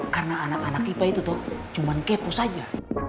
karena anak anak ipa itu toh cuman kepo saja